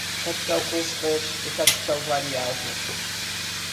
Capital constante e capital variável